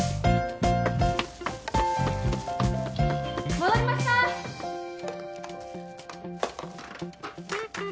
戻りましたー！